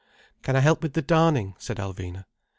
"Can I help with the darning?" said Alvina.